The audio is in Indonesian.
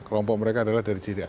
kelompok mereka adalah dari jiri